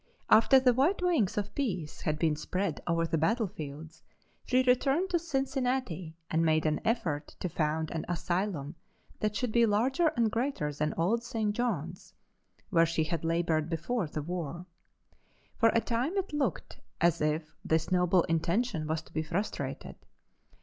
After the white wings of peace had been spread over the battlefields she returned to Cincinnati and made an effort to found an asylum that should be larger and greater than old St. John's, where she had labored before the war. For a time it looked as if this noble intention was to be frustrated.